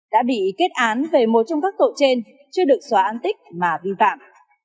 đã bị kết án về một trong các tội trên chưa được xóa an tích mà vi phạm